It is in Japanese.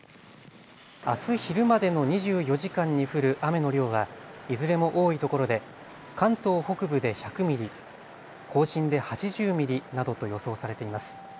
あす昼までの２４時間に降る雨の量はいずれも多いところで関東北部で１００ミリ、甲信で８０ミリなどと予想されています。